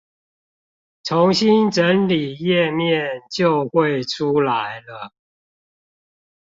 重新整理頁面就會出來了